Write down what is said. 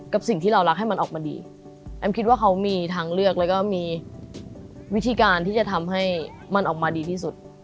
กับสิ่งที่เรารักให้มันออกมาดี